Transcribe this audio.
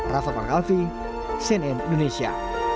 rafa parkalfi cnn indonesia